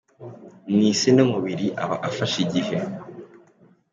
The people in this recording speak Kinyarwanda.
mu Isi n’umubiri aba afashe igihe